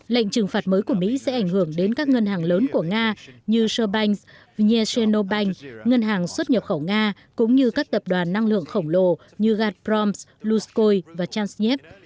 lệnh trừng phạt mới của mỹ sẽ ảnh hưởng đến các ngân hàng lớn của nga như sherbanks vneshenobank ngân hàng xuất nhập khẩu nga cũng như các tập đoàn năng lượng khổng lồ như gazprom lusatia